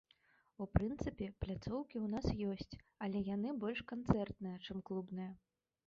У прынцыпе пляцоўкі ў нас ёсць, але яны больш канцэртныя, чым клубныя.